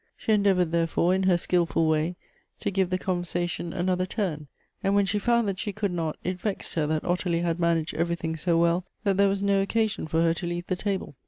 She endeavored, therefore, in her skilful way, to give the conversation another turn, and when she found that she could not, it vexed her that Ottilie had managed everything so well that there was no occasion for her to leaye the table.